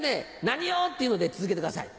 「何を⁉」って言うので続けてください。